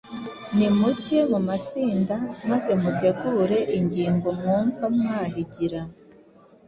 Nimuge mu matsinda maze mutegure ingingo mwumva mwahigira